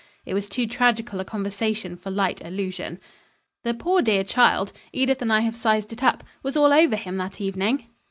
It was too tragical a conversation for light allusion. "The poor dear child Edith and I have sized it up was all over him that evening."